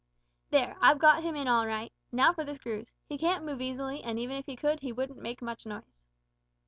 "There; I've got him in all right. Now for the screws. He can't move easily, and even if he could he wouldn't make much noise."